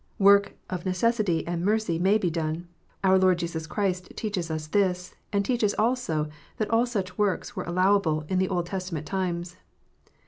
Works of necessity and mercy may be done. Our Lord Jesus Christ teaches us this, and teaches also that all such works were allowable in the Old Testament times.